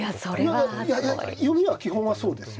いやいや読みは基本はそうですよね。